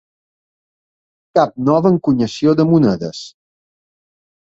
Cap nova encunyació de monedes